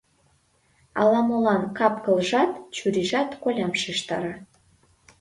Ала-молан кап-кылжат, чурийжат колям шижтара.